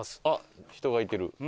あっ人がいてる。